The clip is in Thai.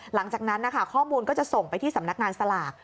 หลังจากนั้นนะคะข้อมูลก็จะส่งไปที่สำนักงานสลาก